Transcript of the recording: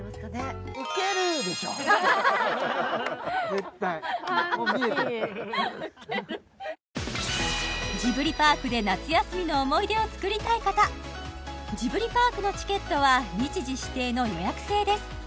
絶対もう見えてるジブリパークで夏休みの思い出をつくりたい方ジブリパークのチケットは日時指定の予約制です